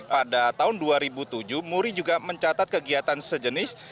pada tahun dua ribu tujuh muri juga mencatat kegiatan sejenis